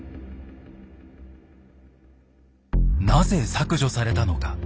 なぜ削除されたのか。